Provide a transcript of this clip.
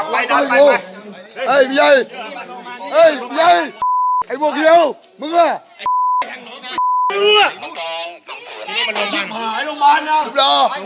พวกเขียวที่โรงพยาบาล